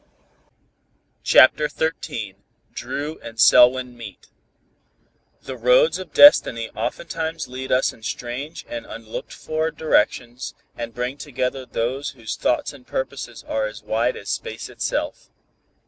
CHAPTER XIII DRU AND SELWYN MEET The roads of destiny oftentimes lead us in strange and unlooked for directions and bring together those whose thoughts and purposes are as wide as space itself.